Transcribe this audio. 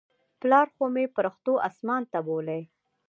پلار خو مې پرښتو اسمان ته بولى.